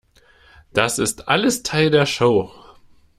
Das ist alles Teil der Show.